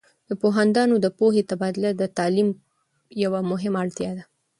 د پوهاندانو د پوهې تبادله د تعلیم یوه مهمه اړتیا ده.